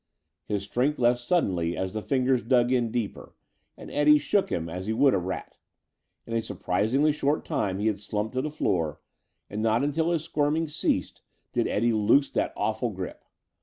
His strength left suddenly as the fingers dug in deeper, and Eddie shook him as he would a rat. In a surprisingly short time he had slumped to the floor, and not until his squirmings ceased did Eddie loose that awful grip.